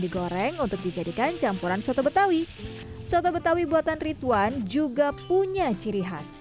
digoreng untuk dijadikan campuran soto betawi soto betawi buatan rituan juga punya ciri khas